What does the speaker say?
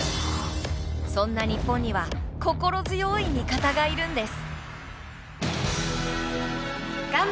そんな日本には心強い味方がいるんです。